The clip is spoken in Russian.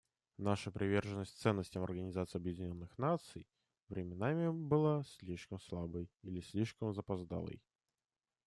Наша приверженность ценностям Организации Объединенных Наций временами была слишком слабой или слишком запоздалой.